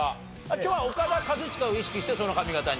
今日はオカダ・カズチカを意識してその髪形に？